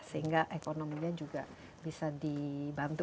sehingga ekonominya juga bisa dibantu